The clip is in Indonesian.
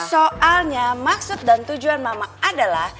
soalnya maksud dan tujuan mama adalah